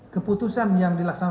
keputusan yang dilaksanakan